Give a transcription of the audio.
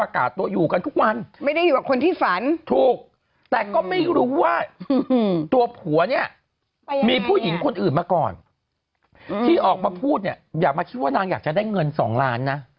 คิดว่านางอยากจะได้เงิน๒ล้านนะ